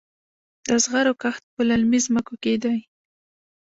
د زغرو کښت په للمي ځمکو کې دی.